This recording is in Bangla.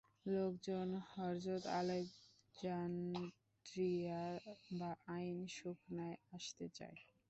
লোকজন হয়ত আলেকজান্দ্রিয়া বা আইন সুখনায় আসতে চায়।